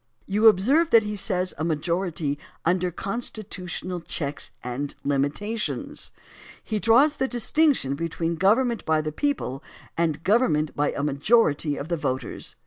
You observe that he says a majority under "con stitiitional checks and limitations." He draws the distinction between government by the people and government by a majority of the voters.